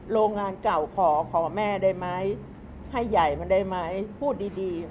โรงงานเก่าขอขอแม่ได้ไหมให้ใหญ่มาได้ไหมพูดดีเขาก็โกรธ